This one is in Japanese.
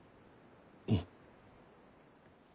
うん。